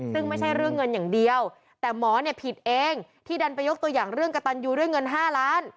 ซึ่งไม่ใช่เรื่องเงินอย่างเดียวแต่หมอเนี่ยผิดเองที่ดันไปยกตัวอย่างเรื่องกระตันยูด้วยเงิน๕ล้าน